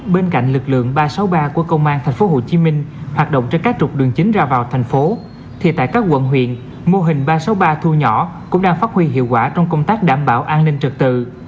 bên cạnh lực lượng ba trăm sáu mươi ba của công an tp hcm hoạt động trên các trục đường chính ra vào thành phố thì tại các quận huyện mô hình ba trăm sáu mươi ba thu nhỏ cũng đang phát huy hiệu quả trong công tác đảm bảo an ninh trật tự